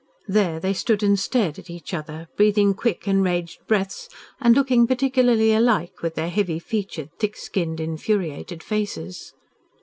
There they stood and stared at each other, breathing quick, enraged breaths and looking particularly alike with their heavy featured, thick skinned, infuriated faces.